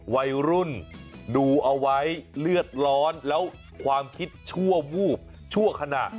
วัยรุ่นดูเอาไว้เลือดร้อนแล้วความคิดชั่ววูบชั่วขณะ